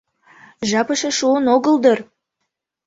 - Жап эше шуын огыл дыр.